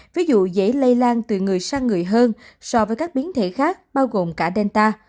ví dụ dễ lây lan từ người sang người hơn so với các biến thể khác bao gồm cả delta